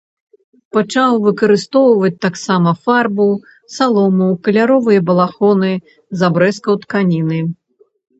Пачаў выкарыстоўваць таксама фарбу, салому, каляровыя балахоны з абрэзкаў тканіны.